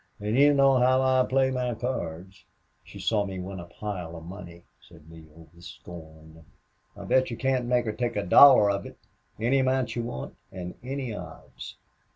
And you know how I play my cards." "She saw me win a pile of money," said Neale, with scorn. "I'll bet you can't make her take a dollar of it. Any amount you want and any odds."